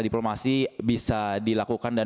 diplomasi bisa dilakukan dan